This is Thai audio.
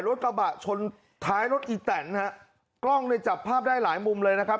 รถกระบะชนท้ายรถอีแตนฮะกล้องเนี่ยจับภาพได้หลายมุมเลยนะครับ